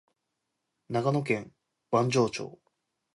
長野県坂城町